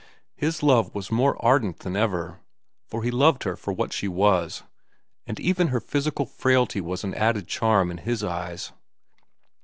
His love was more ardent than ever, for he loved her for what she was, and even her physical frailty was an added charm in his eyes.